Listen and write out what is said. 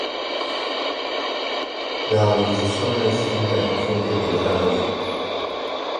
La organización era distinta en los frentes del Lejano Oriente.